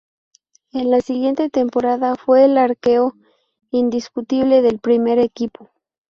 En la siguiente temporada fue el arquero indiscutible del primer equipo.